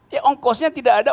ya ongkosnya tidak ada